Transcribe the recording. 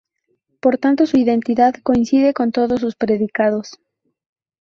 Por tanto su identidad coincide con todos sus predicados.